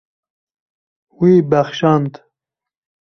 Wî bexşand.